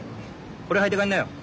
これ履いて帰んなよ。